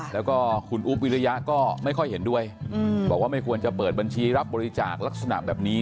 แล้วก็คุณอุ๊บวิริยะก็ไม่ค่อยเห็นด้วยบอกว่าไม่ควรจะเปิดบัญชีรับบริจาคลักษณะแบบนี้